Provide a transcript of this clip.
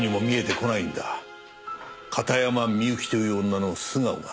片山みゆきという女の素顔が。